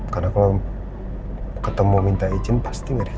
karena kau ketemu minta izin pasti ngasih